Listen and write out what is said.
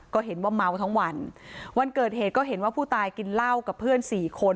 ก็เห็นว่าเมาทั้งวันวันเกิดเหตุก็เห็นว่าผู้ตายกินเหล้ากับเพื่อนสี่คน